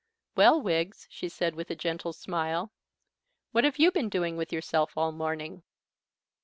"Well, Wiggs," she said, with a gentle smile, "what have you been doing with yourself all the morning?"